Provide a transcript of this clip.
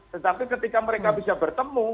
tetapi ketika mereka bisa bertemu